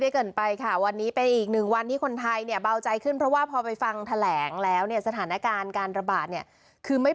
จะคุณท้ายขึ้นเพราะว่าพอไปฟังทะแหล่งแล้วเนี่ยสถานการณ์การระบาดเนี่ยคือไม่